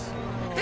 え？